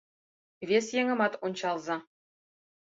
Вес еҥымат ончалза